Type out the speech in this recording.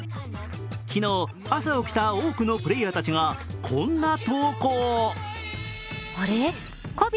昨日、朝起きた多くのプレーヤーたちがこんな投稿を。